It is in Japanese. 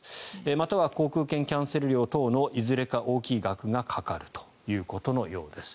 または航空券キャンセル料等のいずれか大きい額がかかるということのようです。